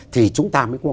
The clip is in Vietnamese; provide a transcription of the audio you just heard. thì chúng ta mới có